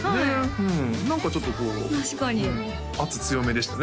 うん何かちょっとこう圧強めでしたね